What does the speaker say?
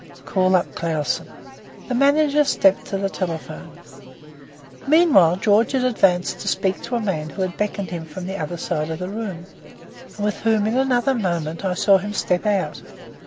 "Call up Clausen." The manager stepped to the telephone. Meanwhile, George had advanced to speak to a man who had beckoned to him from the other side of the room, and with whom in another moment I saw him step out.